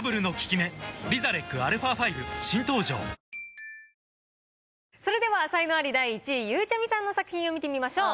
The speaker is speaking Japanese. このもうそれでは才能アリ第１位ゆうちゃみさんの作品を見てみましょう。